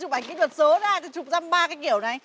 chụp ảnh kỹ thuật số ra chụp ra ba cái kiểu này